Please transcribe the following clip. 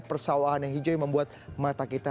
persawahan yang hijau yang membuat mata kita